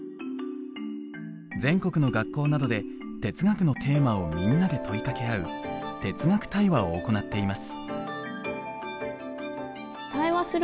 全国の学校などで哲学のテーマをみんなで問いかけ合う哲学対話を行っています。